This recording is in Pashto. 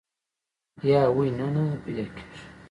یا وحي نه نۀ پېدا کيږي